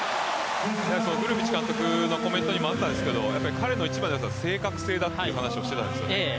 グルビッチ監督のコメントにもあったんですけど彼の一番のよさは正確性だという話をしていたんですよね。